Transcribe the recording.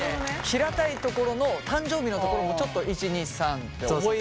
平たいところの誕生日のところもちょっと１２３って覚えやすくしたりとか。